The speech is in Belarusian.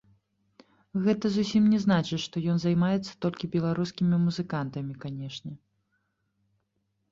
Гэта зусім не значыць, што ён займаецца толькі беларускімі музыкантамі, канешне.